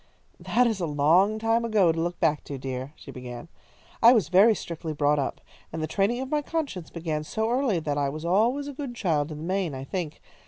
"That is a long time ago to look back to, dear," she began. "I was very strictly brought up, and the training of my conscience began so early that I was always a good child in the main, I think.